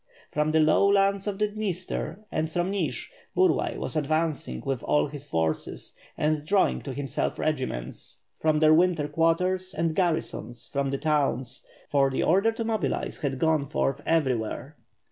From the low lands of the Dniester, and from Nij, Burlay was advancing with all his forces, and draw ing to hiinself regiments from their winter quarters and gar risons from the towns, for the order to mobilize had gone forth everywhere.